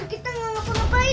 kita gak mau ngapain ya